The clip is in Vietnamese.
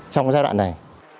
trong giai đoạn này